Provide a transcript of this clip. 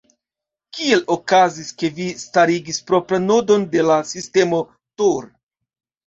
Kiel okazis, ke vi starigis propran nodon de la sistemo Tor?